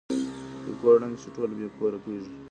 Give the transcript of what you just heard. که کور ړنګ شي ټول بې کوره کيږو.